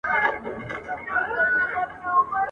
هغه مین دی پر لمبو شمع په خوب کي ویني !.